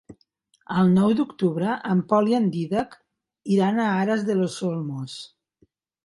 El nou d'octubre en Pol i en Dídac iran a Aras de los Olmos.